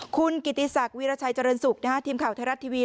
คุณกิติศักดิราชัยเจริญสุขทีมข่าวไทยรัฐทีวี